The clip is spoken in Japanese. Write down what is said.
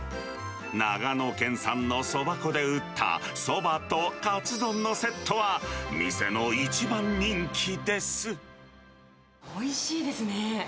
長野県産のそば粉で打ったそばとかつ丼のセットは店の一番人おいしいですね。